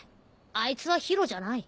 あいつは宙じゃない。